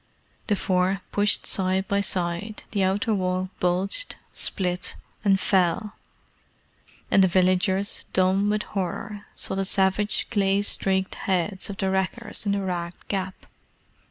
The four pushed side by side; the outer wall bulged, split, and fell, and the villagers, dumb with horror, saw the savage, clay streaked heads of the wreckers in the ragged gap.